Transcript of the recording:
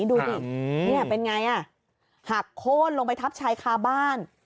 ดูดินี่เป็นไงอ่ะหักโค้นลงไปทับชายคาบ้าน